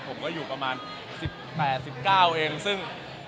ผมก็อยู่ประมาณ๑๘๑๙เองซึ่ง